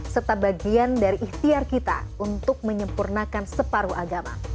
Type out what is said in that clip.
serta bagian dari ikhtiar kita untuk menyempurnakan separuh agama